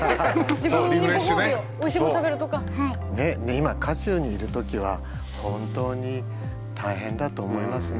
今渦中にいる時は本当に大変だと思いますね。